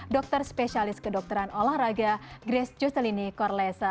dokter spesialis kedokteran olahraga grace justelini korlesa